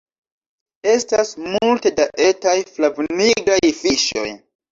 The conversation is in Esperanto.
Estas multe da etaj flavnigraj fiŝoj